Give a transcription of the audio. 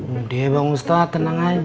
udah bang ustad tenang aja